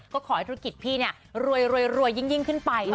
ก็ขอให้ธุรกิจพี่รวยยิ่งขึ้นไป